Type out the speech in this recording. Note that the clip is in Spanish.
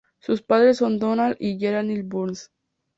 Sus padres son Donald y Geraldine Burns.